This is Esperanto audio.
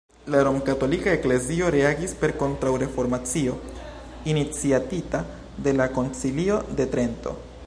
La Romkatolika Eklezio reagis per Kontraŭreformacio iniciatita de la Koncilio de Trento.